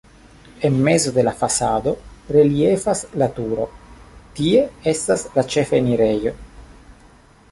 En mezo de la fasado reliefas la turo, tie estas la ĉefenirejo.